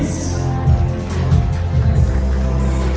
สโลแมคริปราบาล